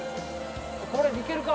これいけるか？